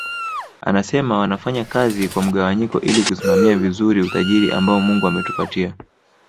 Anasema wanafanya kazi kwa mgawanyiko ili kusimamia vizuri utajiri ambao Mungu ametupatia